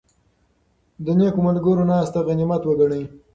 د نېکو ملګرو ناسته غنیمت وګڼئ.